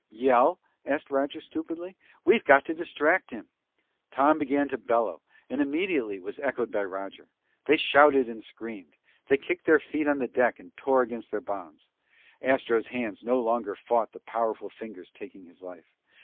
"Yell?" asked Roger stupidly. "We've got to distract him!" Tom began to bellow, and immediately was echoed by Roger. They shouted and screamed. They kicked their feet on the deck and tore against their bonds. Astro's hands no longer fought the powerful fingers taking his life.